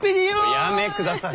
おやめくだされ。